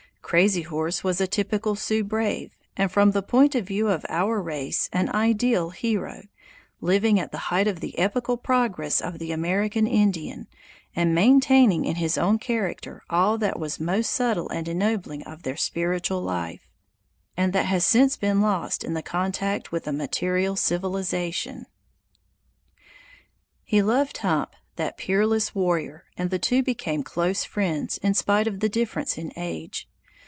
Crazy Horse was a typical Sioux brave, and from the point of view of our race an ideal hero, living at the height of the epical progress of the American Indian and maintaining in his own character all that was most subtle and ennobling of their spiritual life, and that has since been lost in the contact with a material civilization. He loved Hump, that peerless warrior, and the two became close friends, in spite of the difference in age.